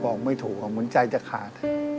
บอกไม่ถูกอะมันใจจะขาด